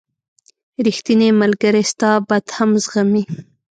• ریښتینی ملګری ستا بد هم زغمي.